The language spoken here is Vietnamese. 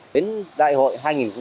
đến đại hội hai nghìn hai mươi